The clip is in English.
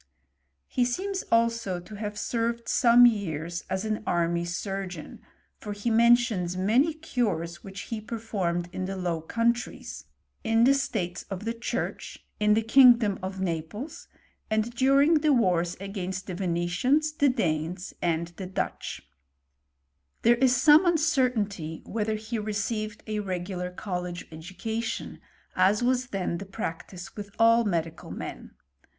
He seems also to have served some years as an army surgeon, for he mentions many <^res which he performed in the Low Countries, in the States of the Church, in the kingdom of Naples, and during the wars against the Venetians, the Danes, and the Dutch. '* See Testamentum Paracelsi, passim, ' li% PISTQRT CF CHEironTf There is some uncertainty whether he received n regular college education, as was then the prax^tice with all medical men.